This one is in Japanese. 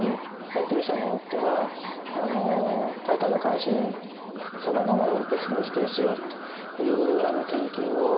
研究者によっては大化の改新そのものを全部否定しようという研究をした人もいます。